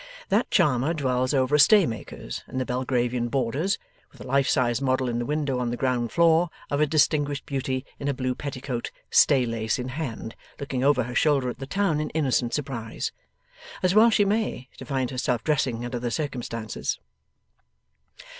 That charmer dwells over a staymaker's in the Belgravian Borders, with a life size model in the window on the ground floor of a distinguished beauty in a blue petticoat, stay lace in hand, looking over her shoulder at the town in innocent surprise. As well she may, to find herself dressing under the circumstances.